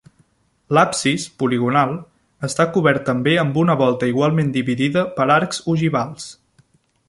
L'absis, poligonal, està cobert també amb una volta igualment dividida per arcs ogivals.